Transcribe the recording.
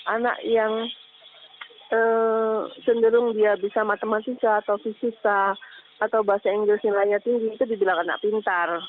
anak yang cenderung dia bisa matematika atau visisa atau bahasa inggrisnya tinggi itu dibilang anak pintar